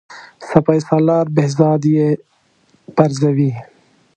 سپه سالار بهزاد یې پرزوي.